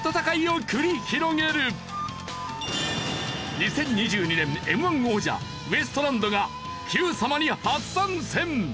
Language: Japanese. ２０２２年Ｍ−１王者ウエストランドが『Ｑさま！！』に初参戦！